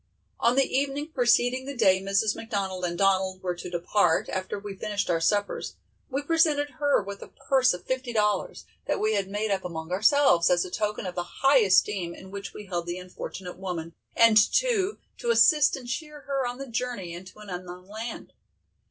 On the evening preceding the day Mrs. McDonald and Donald were to depart, after we had finished our suppers, we presented her with a purse of fifty dollars, that we had made up among ourselves, as a token of the high esteem in which we held the unfortunate woman, and too, to assist and cheer her on the journey into an unknown land.